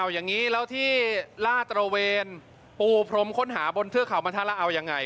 อย่างนี้แล้วที่ล่าตระเวนปูพรมค้นหาบนเทือกเขาบรรทัศน์แล้วเอายังไง